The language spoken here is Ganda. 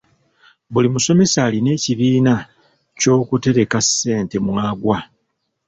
Buli musomesa alina ekibiina ky'okutereka ssente mw'agwa.